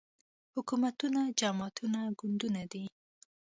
حکومتونه جماعتونه ګوندونه دي